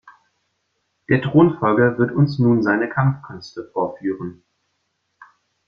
Der Thronfolger wird uns nun seine Kampfkünste vorführen.